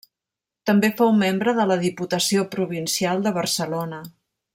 També fou membre de la Diputació provincial de Barcelona.